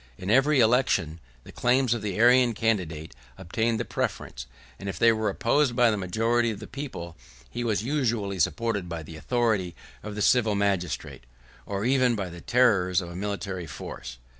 In every election, the claims of the Arian candidate obtained the preference; and if they were opposed by the majority of the people, he was usually supported by the authority of the civil magistrate, or even by the terrors of a military force.